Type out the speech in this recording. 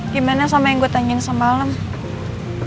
gimana sama yang gue tanyain semalam